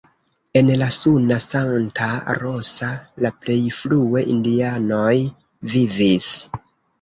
En la nuna Santa Rosa la plej frue indianoj vivis.